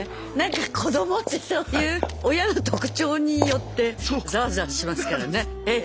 子どもってそういう親の特徴によってザワザワしますからね。